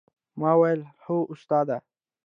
ما وويل هو استاده.